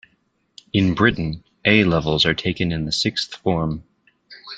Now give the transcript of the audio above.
In Britain, A-levels are taken in the sixth form